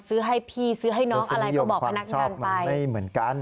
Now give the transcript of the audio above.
ซื้อให้พี่ซื้อให้น้องอะไรก็บอกพนักงานไปไม่เหมือนกัน